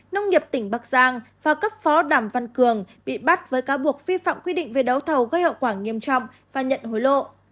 nông nghiệp tỉnh bắc giang và cấp phó đảm văn cường bị bắt với cáo buộc vi phạm quy định về đấu thầu gây hậu quả nghiêm trọng và nhận hối lộ